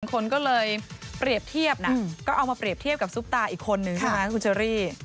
คนก็เลยเปรียบเทียบนะก็เอามาเปรียบเทียบกับซุปตาอีกคนนึงใช่ไหมคุณเชอรี่